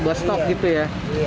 buat stok gitu ya